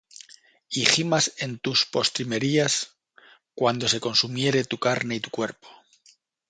Y gimas en tus postrimerías, Cuando se consumiere tu carne y tu cuerpo,